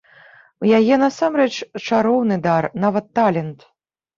У яе насамрэч чароўны дар, нават талент.